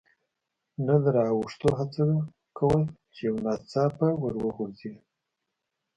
نه د را اوښتو هڅه کول، چې یو ناڅاپه ور وغورځېد.